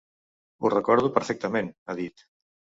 Ho recordo perfectament, ha dit.